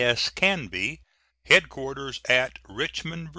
S. Canby, headquarters at Richmond, Va.